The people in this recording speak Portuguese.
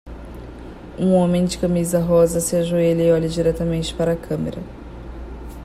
Um homem de camisa rosa se ajoelha e olha diretamente para a câmera.